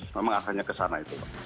memang akannya ke sana itu